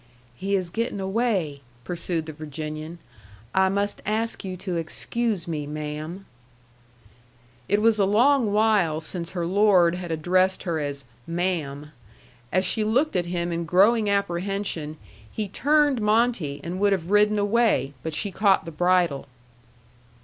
"He is getting away," pursued the Virginian. "I must ask you to excuse me, ma'am." It was a long while since her lord had addressed her as "ma'am." As she looked at him in growing apprehension, he turned Monte and would have ridden away, but she caught the bridle.